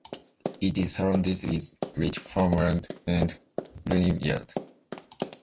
It is surrounded with rich farmland and vineyards.